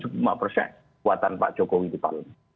kekuatan pak jokowi di palu